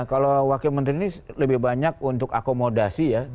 kalau wakil menteri ini lebih banyak untuk akomodasi ya